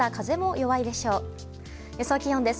予想気温です。